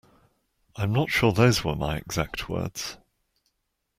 I'm not sure those were my exact words.